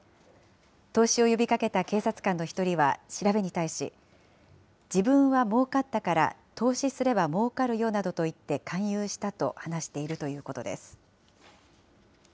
投資を呼びかけた警察官の１人は、調べに対し、自分はもうかったから投資すればもうかるよなどと言って勧誘したと話しているということです。